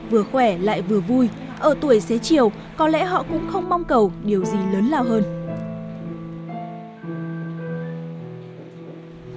vừa khỏe lại vừa vui ở tuổi xế chiều có lẽ họ cũng không mong cầu điều gì lớn lao hơn